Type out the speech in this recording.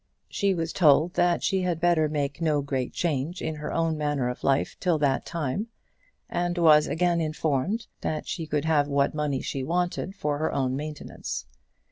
She was told that she had better make no great change in her own manner of life till that time, and was again informed that she could have what money she wanted for her own maintenance.